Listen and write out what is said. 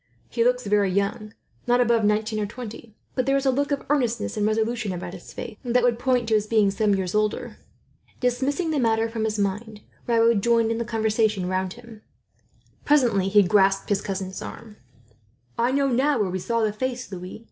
He looks very young, not above nineteen or twenty; but there is a look of earnestness and resolution, about his face, that would point to his being some years older." Dismissing the matter from his mind, Raoul joined in the conversation round him. Presently he grasped his cousin's arm. "I know where we saw the face now, Louis.